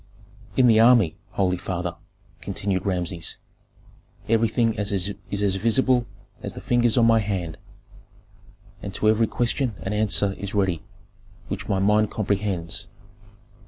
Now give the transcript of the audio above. "In the army, holy father," continued Rameses, "everything is as visible as the fingers on my hand, and to every question an answer is ready which my mind comprehends.